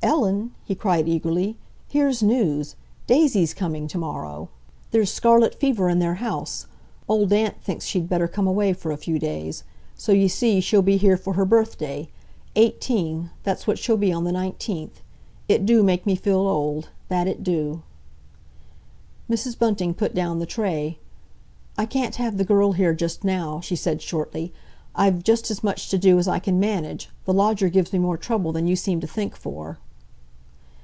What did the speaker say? "Ellen?" he cried eagerly, "here's news! Daisy's coming to morrow! There's scarlet fever in their house. Old Aunt thinks she'd better come away for a few days. So, you see, she'll be here for her birthday. Eighteen, that's what she be on the nineteenth! It do make me feel old—that it do!" Mrs. Bunting put down the tray. "I can't have the girl here just now," she said shortly. "I've just as much to do as I can manage. The lodger gives me more trouble than you seem to think for."